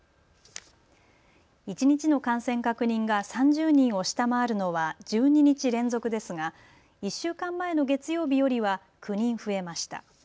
一日の感染確認が３０人を下回るのは１２日連続ですが１週間前の月曜日よりは９人増えました。